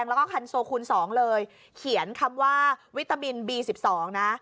แล้วก็คันโซคูณ๒เลยเขียนคำว่าวิตามินบี๑๒นะ